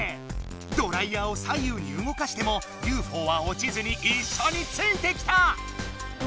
ドライヤーを左右にうごかしてもＵＦＯは落ちずにいっしょについてきた！